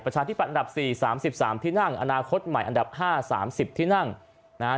ธิบัตอันดับ๔๓๓ที่นั่งอนาคตใหม่อันดับ๕๓๐ที่นั่งนะฮะ